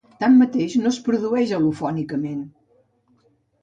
Tanmateix, no es produeix al·lofònicament.